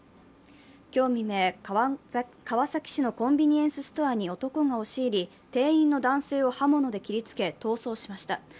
今日未明、川崎市のコンビニエンスストアに男が押し入り店員の男性を刃物で切りつけ逃走しました。